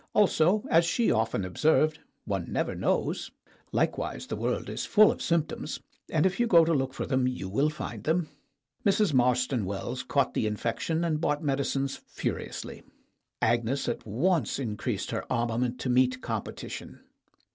Also, as she often observed, one never knows. Likewise, the world is full of symptoms, and if you go to look for them you will find them. Mrs. Marston Wells caught the infec tion and bought medicines furiously; Agnes at once increased her armament to meet competition.